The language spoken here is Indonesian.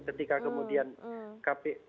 ketika kemudian kp